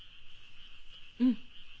うん！